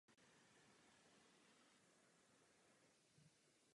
Křesťanství tuto tradici převzalo a přeměnilo ji v oslavu zmrtvýchvstání Krista.